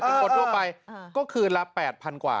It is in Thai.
คนทั่วไปก็คือละ๘๐๐๐กว่า